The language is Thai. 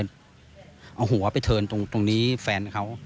เอาหัวไปเทินตรงนี้แฟนเขา